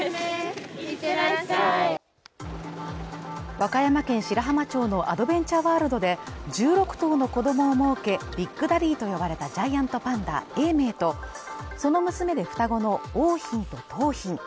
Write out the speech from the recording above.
和歌山県白浜町のアドベンチャーワールドで１６頭の子供をもうけ、ビッグダディと呼ばれたジャイアントパンダ永明と、その娘で双子の桜浜と桃浜